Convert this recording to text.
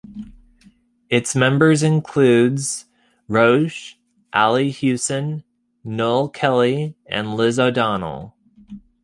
Its membership includes Roche, Ali Hewson, Noel Kelly, and Liz O'Donnell.